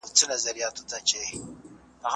د ښوونکي قدر کول په اصل کې د علم او معرفت قدر کول دي.